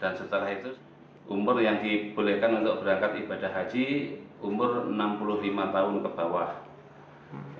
dan setelah itu umur yang dibolehkan untuk berangkat ibadah haji umur enam puluh lima tahun ke bawah